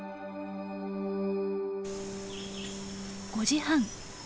５時半。